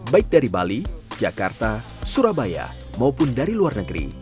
baik dari bali jakarta surabaya maupun dari luar negeri